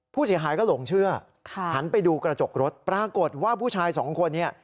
ผู้เสียหายก็หลงเชื่อหันไปดูกระจกรถปรากฏว่าผู้ชายสองคนเนี่ย